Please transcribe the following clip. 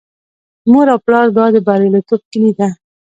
د مور او پلار دعا د بریالیتوب کیلي ده.